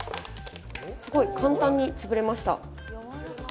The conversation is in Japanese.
すごい簡単に潰れました。